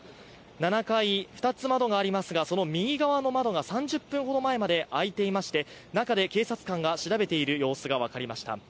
７階、２つ窓がありますがその右側の窓が３０分ほど前まで開いていまして中で警察官が調べている様子が分かりました。